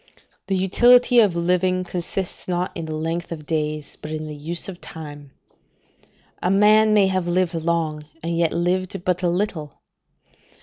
The utility of living consists not in the length of days, but in the use of time; a man may have lived long, and yet lived but a little.